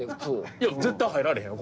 いや絶対入られへんよ。